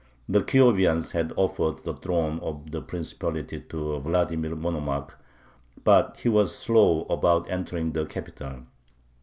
The Kiovians had offered the throne of the principality to Vladimir Monomakh, but he was slow about entering the capital.